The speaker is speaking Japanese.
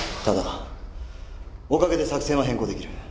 ただおかげで作戦は変更できる。